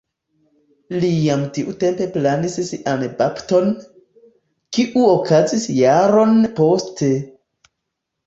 Li jam tiutempe planis sian bapton, kiu okazis jaron poste.